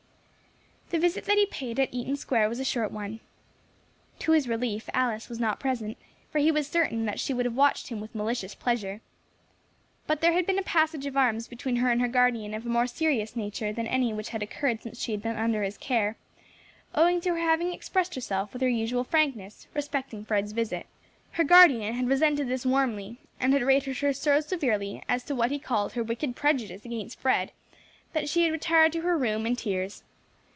The visit that he paid at Eaton Square was a short one. To his relief Alice was not present, for he was certain that she would have watched him with malicious pleasure. But there had been a passage of arms between her and her guardian of a more serious nature than any which had occurred since she had been under his care, owing to her having expressed herself with her usual frankness respecting Fred's visit. Her guardian had resented this warmly, and had rated her so severely as to what he called her wicked prejudice against Fred, that she had retired to her room in tears.